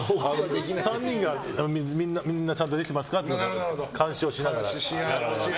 ３人がみんなちゃんとしてますかって監視をしながら。